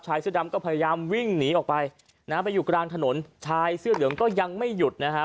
เสื้อดำก็พยายามวิ่งหนีออกไปนะฮะไปอยู่กลางถนนชายเสื้อเหลืองก็ยังไม่หยุดนะฮะ